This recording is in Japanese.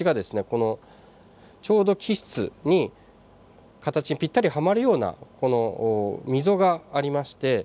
このちょうど基質に形ぴったりはまるようなこの溝がありまして